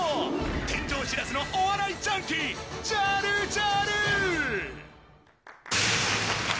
天井知らずのお笑いジャンキー、ジャルジャル。